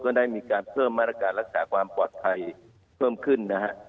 ได้มีการเพิ่มมาตรการรักษาความปลอดภัยเพิ่มขึ้นนะฮะ